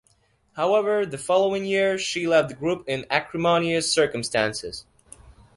However, the following year, she left the group in acrimonious circumstances.